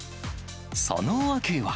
その訳は。